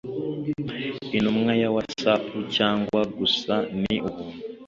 Intumwa ya WatsApu cyangwa gusa ni Ubuntu